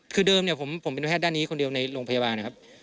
คือเดิมเนี่ยผมเป็นแพทย์ด้านนี้คนเดียวในโรงพยาบาลนะครับ